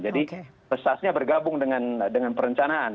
jadi pesasnya bergabung dengan perencanaan